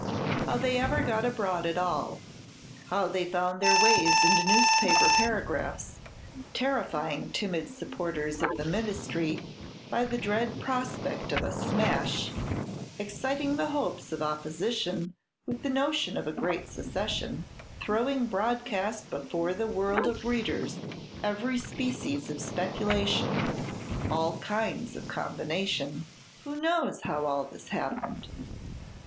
How they ever got abroad at all; how they found their ways into newspaper paragraphs, terrifying timid supporters of the ministry by the dread prospect of a "smash," exciting the hopes of Opposition with the notion of a great secession, throwing broadcast before the world of readers every species of speculation, all kinds of combination, who knows how all this happened?